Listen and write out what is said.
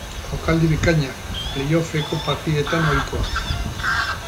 Jokaldi bikainak, playoffeko partidetan ohikoak.